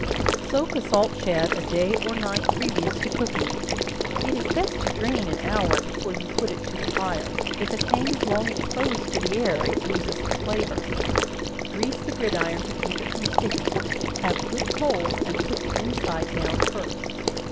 Soak a salt shad a day or night previous to cooking, it is best to drain an hour before you put it to the fire; if it hangs long exposed to the air, it loses its flavor: grease the gridiron to keep it from sticking; have good coals, and put the inside down first.